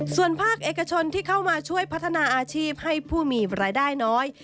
ส่วนภาคเอกชนที่เข้ามาช่วยพัฒนาอาชีพให้ผู้มีรายได้น้อย